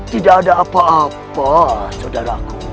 tidak ada apa apa saudara aku